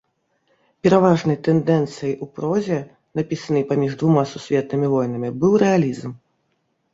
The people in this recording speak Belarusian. Пераважнай тэндэнцыяй у прозе, напісанай паміж двума сусветнымі войнамі быў рэалізм.